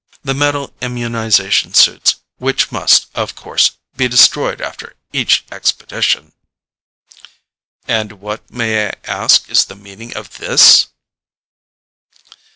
The metal immunization suits, which must, of course, be destroyed after each expedition " "And what, may I ask, is the meaning of this?"